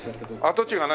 跡地が何？